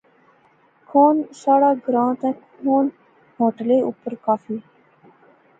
کھان ساڑھا گراں تے کھان ہوٹلے اوپر کافی